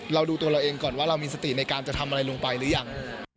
เราดูตัวเราเองก่อนว่าเรามีสติในการจะทำอะไรลงไปหรือยัง